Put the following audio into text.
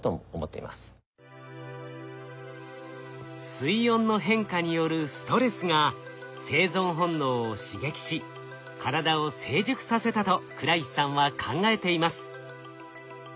水温の変化によるストレスが生存本能を刺激し体を成熟させたと倉石さんは考えています。